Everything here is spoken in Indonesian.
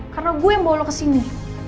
karena gue yang bawa lo kesini